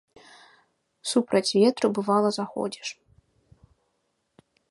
Супраць ветру, бывала, заходзіш.